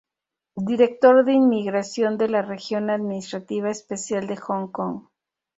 Director de Inmigración de la Región Administrativa Especial de Hong Kong.